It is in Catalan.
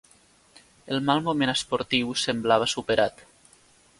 El mal moment esportiu semblava superat.